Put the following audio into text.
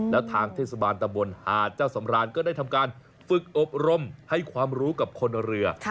แล้วทางเทศบาลตำบลหาดเจ้าสำรานก็ได้ทำการฝึกอบรมให้ความรู้กับคนเรือ